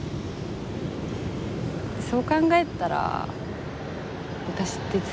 そう考えたら私ってツイてる？